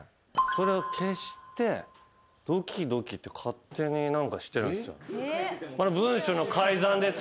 それを消してドキドキって勝手に何かしてるんすよ。